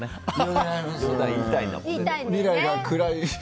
未来が暗い。